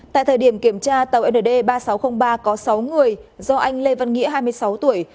tại thời điểm kiểm tra tàu nd ba nghìn sáu trăm linh ba có sáu người do anh lê văn nghĩa hai mươi sáu tuổi